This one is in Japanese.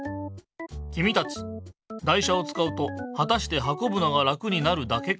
きみたち台車をつかうとはたしてはこぶのが楽になるだけかな？